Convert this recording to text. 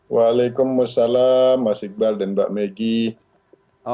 waalaikumsalam mas iqbal dan mbak meggy